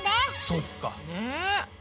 そっか。ね。